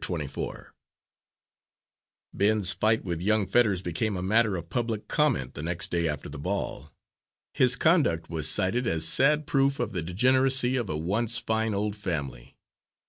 Twenty four Ben's fight with young Fetters became a matter of public comment the next day after the ball. His conduct was cited as sad proof of the degeneracy of a once fine old family.